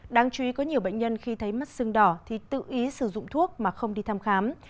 đáng chú ý có nhiều bệnh nhân khi thấy mắt sưng đỏ thì tự ý sử dụng thuốc mà không đi thăm khám